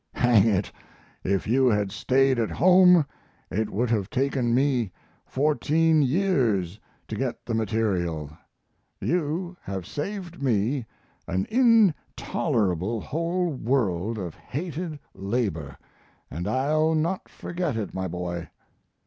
Hang it, if you had stayed at home it would have taken me fourteen years to get the material. You have saved me an intolerable whole world of hated labor, and I'll not forget it, my boy.